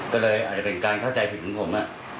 ก็เลยอาจจะเป็นการเข้าใจถึงผม